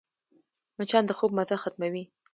مچان د خوب مزه ختموي